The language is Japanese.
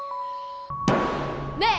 ねえ！